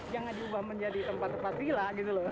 jangan diubah menjadi tempat tempat vila gitu loh